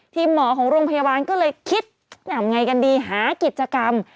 หมอของโรงพยาบาลก็เลยคิดทำไงกันดีหากิจกรรม